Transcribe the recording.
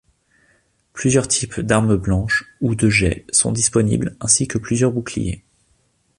Plusieurs types d'arme blanche ou de jet sont disponibles ainsi que plusieurs boucliers.